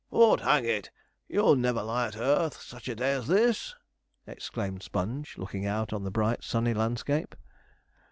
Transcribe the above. ''Ord, hang it, you'll never lie at earth such a day as this!' exclaimed Sponge, looking out on the bright, sunny landscape.